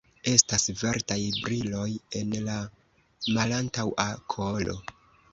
Estas verdaj briloj en la malantaŭa kolo.